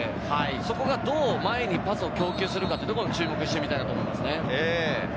そこがどう前にパスを供給するかに注目してみたいと思います。